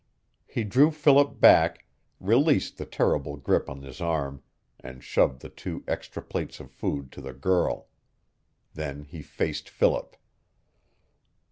He drew Philip back, released the terrible grip on his arm, and shoved the two extra plates of food to the girl. Then he faced Philip.